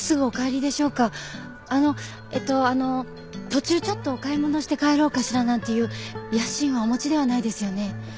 途中ちょっとお買い物して帰ろうかしらなんていう野心はお持ちではないですよね？